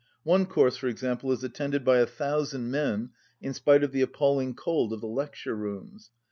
One course, for example, is attended by a thou sand men in spite of the appalling cold of the lecture rooms.